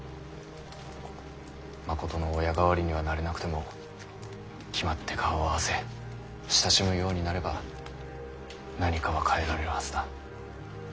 まことの親代わりにはなれなくても決まって顔を合わせ親しむようになれば何かは変えられるはずだ。